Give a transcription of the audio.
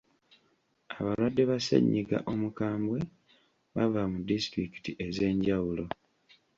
Abalwadde ba ssennyiga omukambwe bava mu disitulikiti ez'enjawulo.